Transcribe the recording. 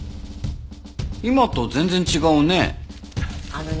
今と全然違うね。